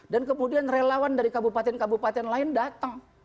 dan kemudian relawan dari kabupaten kabupaten lain datang